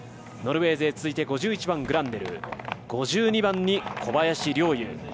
ノルウェー勢５１番グランネルー５２番に小林陵侑